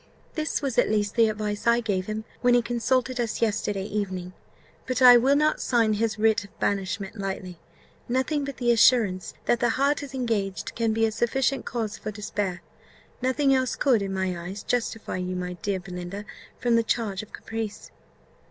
This was at least the advice I gave him, when he consulted us yesterday evening. But I will not sign his writ of banishment lightly. Nothing but the assurance that the heart is engaged can be a sufficient cause for despair; nothing else could, in my eyes, justify you, my dear Belinda, from the charge of caprice."